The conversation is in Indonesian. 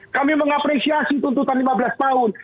kami mengapresiasi tuntutan lima belas tahun